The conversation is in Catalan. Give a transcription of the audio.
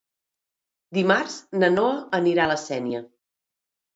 Dimarts na Noa anirà a la Sénia.